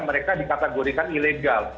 mereka dikategorikan ilegal